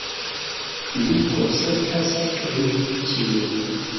Mi konsentas pri ĉio.